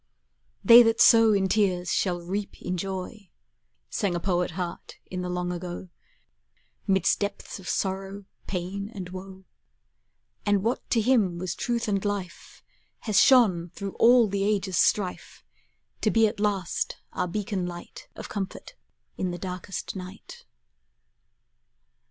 "They that sow in tears Shall reap in joy," Sang a poet heart in the long ago, 'Midst depths of sorrow, pain, and woe; And what to him was truth and life Has shone through all the ages' strife, To be at last our beacon light Of comfort in the darkest night.